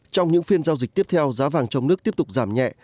trong những phiên giao dịch tiếp theo giá vàng trong nước tiếp tục giảm nhẹ